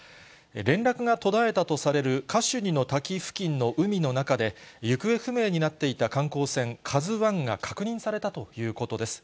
連絡が途絶えたとされるカシュニの滝付近の海の中で、行方不明になっていた観光船カズワンが確認されたということです。